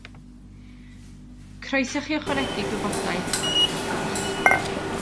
Croeso i chi ychwanegu gwybodaeth a ffotos.